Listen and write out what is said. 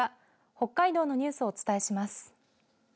北海道のニュースをお伝えします。